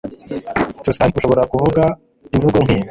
Tuscan ushobora kuvuga imvugo nkiyi